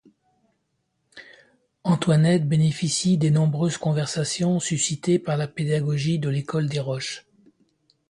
Antoinette bénéficie des nombreuses conversations suscitées par la pédagogie de l’École des Roches.